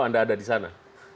anda ada di sana